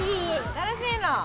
楽しいの？